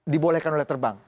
dibolehkan oleh terbang